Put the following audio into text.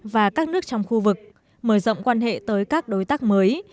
và các nước trong khu vực mở rộng quan hệ tới các đối tác mới